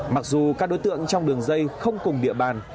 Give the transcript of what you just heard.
mặc dù các đối tượng trong đường dây không cùng địa bàn